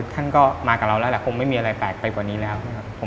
ท่านก็มากับเราแล้วแหละคงไม่มีอะไรแปลกไปกว่านี้แล้วนะครับ